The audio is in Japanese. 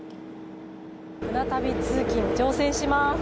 舟旅通勤に乗船します。